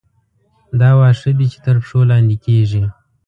دا واښه دي چې تر پښو لاندې کېږي.